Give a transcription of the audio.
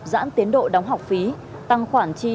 giãn tiến độ đóng học phí tăng khoản chi